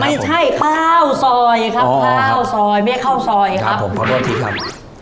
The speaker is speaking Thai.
ไม่ใช่ข้าวซอยครับข้าวซอยแม่ข้าวซอยครับผมขอโทษที่ทำ